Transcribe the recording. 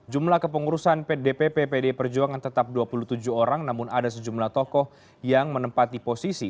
jumlah kepengurusan dpp pdi perjuangan tetap dua puluh tujuh orang namun ada sejumlah tokoh yang menempati posisi